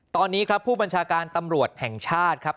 ตอนนี้ครับผู้บัญชาการตำรวจแห่งชาติครับ